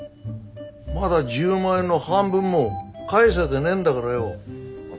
まだ１０万円の半分も返せてねえんだからよう当たり前だ。